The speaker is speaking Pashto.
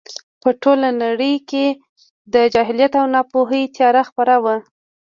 په ټوله نړۍ کې د جهالت او ناپوهۍ تیاره خپره وه.